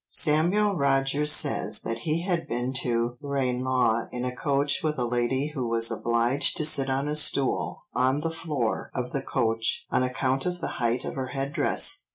Samuel Rogers says that he had been to Ranelagh in a coach with a lady who was obliged to sit on a stool on the floor of the coach on account of the height of her head dress.